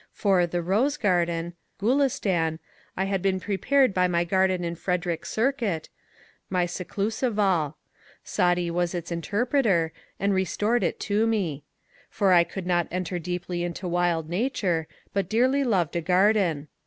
For the " Rose Garden " (Gulistan) I had been prepared by my garden in Frederick Circuit, my ^' Seclu saval :" Saadi was its interpreter, and restored it to me. For I could not enter deeply into wild nature, but dearly loved a garden.